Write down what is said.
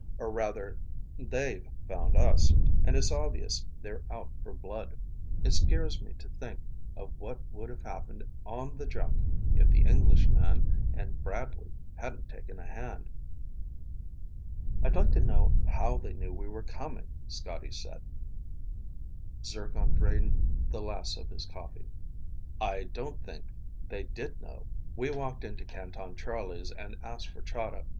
Or rather they've found us. And it's obvious they're out for blood. It scares me to think of what would have happened on the junk if the Englishman and Bradley hadn't taken a hand." "I'd like to know how they knew we were coming," Scotty said. Zircon drained the last of his coffee. "I don't think they did know. We walked into Canton Charlie's and asked for Chahda.